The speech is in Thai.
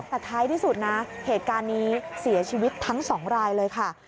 แต่ท้ายที่สุดนะเหตุการณ์นี้เสียชีวิตทั้ง๒รายเลยค่ะ